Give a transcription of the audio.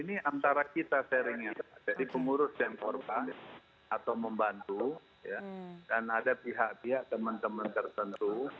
ini antara kita sharingnya jadi pengurus dan korban atau membantu dan ada pihak pihak teman teman tertentu